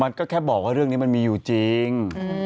มันก็แค่บอกว่าเรื่องนี้มันมีอยู่จริง